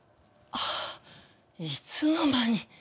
ああいつの間に。